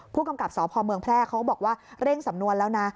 ผู้กำกับสพเมืองแพร่เขาก็บอกว่าเร่งสำนวนแล้วนะ